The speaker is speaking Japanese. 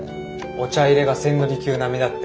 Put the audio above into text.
お茶いれが千利休並みだって。